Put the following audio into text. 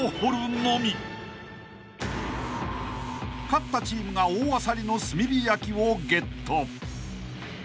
［勝ったチームが大アサリの炭火焼きをゲット］